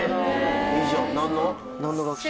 いいじゃん。